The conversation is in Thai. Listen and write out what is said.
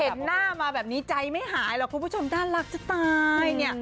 เห็นหน้ามาแบบนี้ใจไม่หายหรอกคุณผู้ชมน่ารักจะตายเนี่ย